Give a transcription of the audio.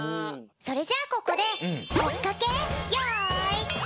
それじゃあここでおおっ！